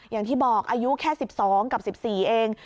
อย่างที่บอกอายุแค่๑๒กับ๑๔เอง